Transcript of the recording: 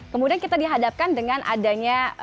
kemudian kita dihadapkan dengan adanya